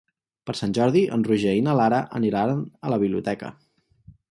Per Sant Jordi en Roger i na Lara aniran a la biblioteca.